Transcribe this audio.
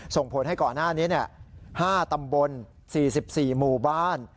ส่งผลให้ก่อนหน้านี้๕ตำบล๔๔หมู่บ้าน